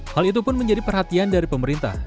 hal itu pun menjadi perhatian dari pemerintah